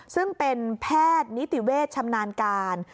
ซึ่งเป็นแพทย์นิติเวชชำนาญการ